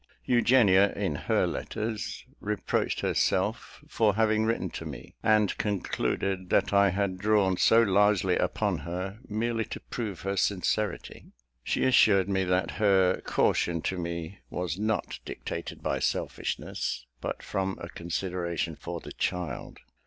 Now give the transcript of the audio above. Eugenia, in her letters, reproached herself for having written to me; and concluded that I had drawn so largely upon her, merely to prove her sincerity. She assured me that her caution to me was not dictated by selfishness, but from a consideration for the child.